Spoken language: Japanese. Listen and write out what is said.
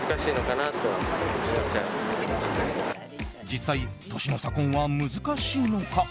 実際、年の差婚は難しいのか。